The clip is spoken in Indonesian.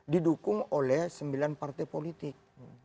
didukung oleh sembilan partai politik